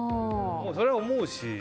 それは思うし。